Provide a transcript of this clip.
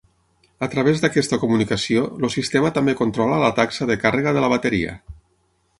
A través d'aquesta comunicació, el sistema també controla la taxa de càrrega de la bateria.